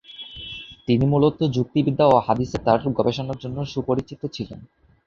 তিনি মূলত যুক্তিবিদ্যা ও হাদীসে তার গবেষণার জন্য সুপরিচিত ছিলেন।